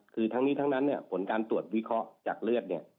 คือทั้งนี้ทั้งนั้นเนี่ยผลการตรวจวิเคราะห์จากเลือดเนี่ย